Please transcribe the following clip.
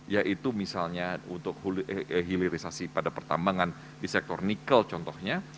yaitu misalnya untuk hilirisasi pada pertambangan di sektor nikel contohnya